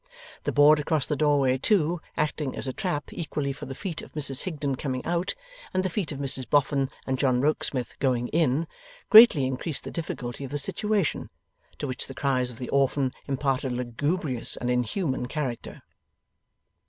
The board across the doorway too, acting as a trap equally for the feet of Mrs Higden coming out, and the feet of Mrs Boffin and John Rokesmith going in, greatly increased the difficulty of the situation: to which the cries of the orphan imparted a lugubrious and inhuman character.